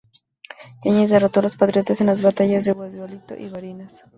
Yañez derrotó a los patriotas en las batallas de Guasdualito y Barinas.